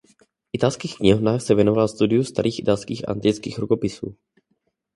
V italských knihovnách se věnoval studiu starých italských a antických rukopisů.